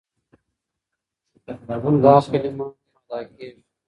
دا کلمه بم ادا کېږي.